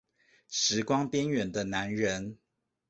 時光邊緣的男人